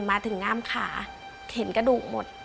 มาถึงงามขาเข็นกระดูกหมด